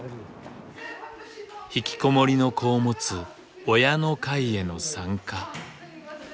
引きこもりの子を持つ「親の会」への参加。